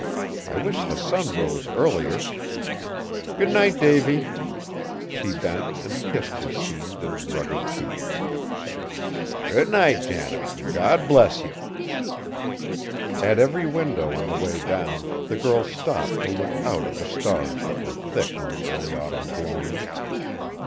I wish the sun rose earlier; good night, Davy!" She bent and kissed his seamed and rugged cheek. "Good night, Janet, an' God bless ye!" At every window on the way down the girl stopped to look out at the stars that were thick in the early autumn gloaming.